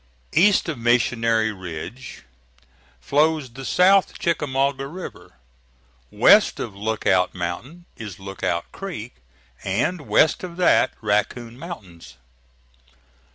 East of Missionary Ridge flows the South Chickamauga River; west of Lookout Mountain is Lookout Creek; and west of that, Raccoon Mountains.